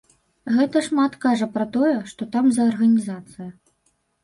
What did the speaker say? Гэта шмат кажа пра тое, што там за арганізацыя.